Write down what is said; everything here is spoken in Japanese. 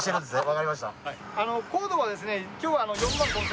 分かりました。